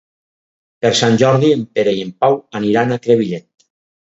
Per Sant Jordi en Pere i en Pau aniran a Crevillent.